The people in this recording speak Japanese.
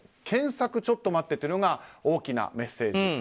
検索ちょっと待ってというのが大きなメッセージ。